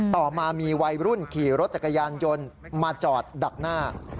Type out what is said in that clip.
ต่อมามีวัยรุ่นขี่รถจักรยานยนต์มาจอดดักหน้า